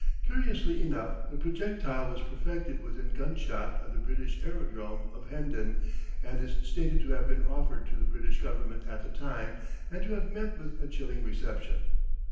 Curiously enough the projectile was perfected within gunshot of the British aerodrome of Hendon and is stated to have been offered to the British Government at the time, and to have met with a chilling reception.